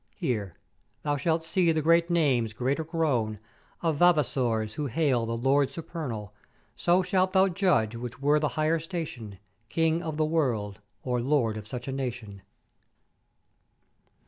Hear; thou shalt see the great names greater grown of Vavasors who hail the Lord Supernal: So shalt thou judge which were the higher station, King of the world or Lord of such a nation.